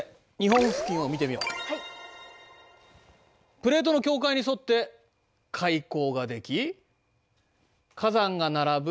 プレートの境界に沿って海溝が出来火山が並ぶ火山